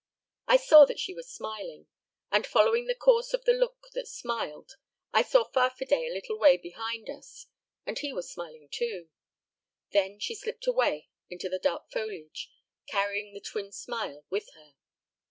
I saw that she was smiling. And following the course of the look that smiled, I saw Farfadet a little way behind us, and he was smiling too. Then she slipped away into the dark foliage, carrying the twin smile with her.